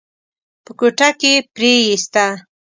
په کوټه کې يې پريېسته.